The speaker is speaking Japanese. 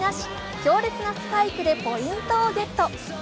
強烈なスパイクでポイントをゲット。